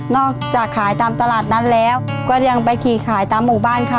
จากขายตามตลาดนั้นแล้วก็ยังไปขี่ขายตามหมู่บ้านค่ะ